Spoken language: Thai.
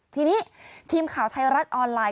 ทีนี้ทีมข่าวไทยรัฐออนไลน